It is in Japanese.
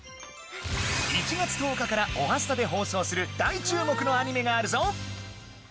１月１０日から『おはスタ』で放送する大注目のアニメがあるぞ。